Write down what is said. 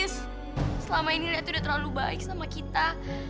selama ini lihat udah terlalu baik sama kita